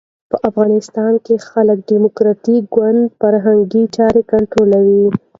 په افغانستان کې خلق ډیموکراټیک ګوند فرهنګي چارې کنټرولولې.